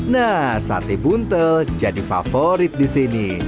nah sate buntel jadi favorit di sini